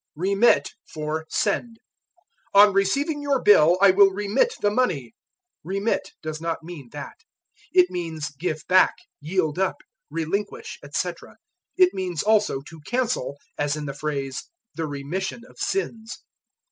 Remit for Send. "On receiving your bill I will remit the money." Remit does not mean that; it means give back, yield up, relinquish, etc. It means, also, to cancel, as in the phrase, the remission of sins.